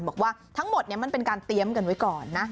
บอกว่าทั้งหมดมันเป็นการเตรียมกันไว้ก่อนนะ